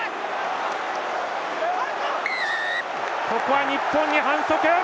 ここは日本に反則。